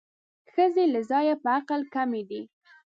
ښځې له ځایه په عقل کمې دي